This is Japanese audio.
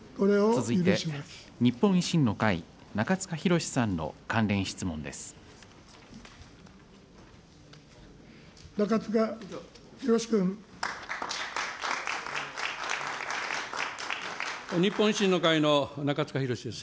続いて、日本維新の会、中司宏さんの関連質問です。